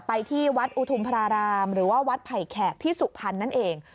ไปที่วัดอุทุมพรารามหรือว่าวัดไผ่แขกที่สุพรรณนั่นเอง